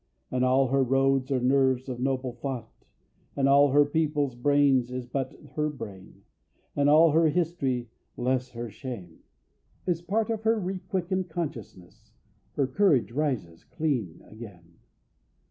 And all her roads are nerves of noble thought, And all her people's brain is but her brain; And all her history, less her shame, Is part of her requickened consciousness. Her courage rises clean again.